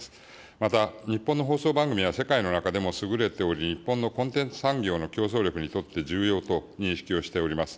また、日本の放送番組は世界の中でも優れており、日本のコンテンツ産業の競争力にとって重要と認識をしております。